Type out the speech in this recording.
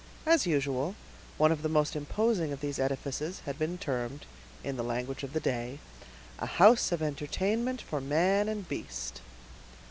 As usual, one of the most imposing of these edifices had been termed, in the language of the day, "a house of entertainment for man and beast."